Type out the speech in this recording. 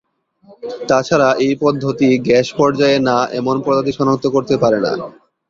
তাছাড়া, এই পদ্ধতি গ্যাস-পর্যায়ে না এমন প্রজাতি শনাক্ত করতে পারে না।